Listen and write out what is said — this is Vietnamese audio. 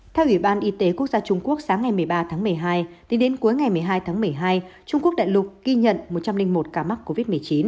theo ủy ban y tế quốc gia trung quốc sáng ngày một mươi ba tháng một mươi hai tính đến cuối ngày một mươi hai tháng một mươi hai trung quốc đại lục ghi nhận một trăm linh một ca mắc covid một mươi chín